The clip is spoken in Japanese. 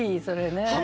それね！